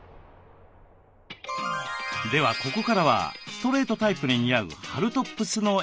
ではここからはストレートタイプに似合う春トップスの選び方。